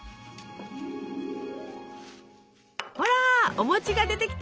ほらお餅が出てきた！